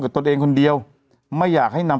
ตนเองคนเดียวไม่อยากให้นำ